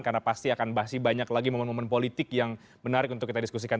karena pasti akan bahas banyak lagi momen momen politik yang menarik untuk kita diskusikan